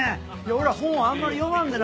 俺ら本はあんまり読まんでな。